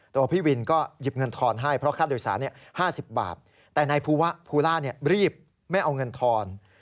ตัวพี่วินก็หยิบเงินทอนให้เพราะค่าโดยสาร๕๐บาทแต่นายภูล่ารีบไม่เอาเงินทอน